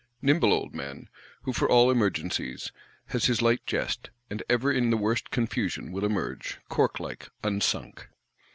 Nimble old man, who for all emergencies has his light jest; and ever in the worst confusion will emerge, cork like, unsunk!